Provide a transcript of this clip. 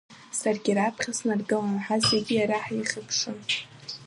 Саргьы раԥхьа снаргыланы, ҳазегь иара ҳаихьыԥшын.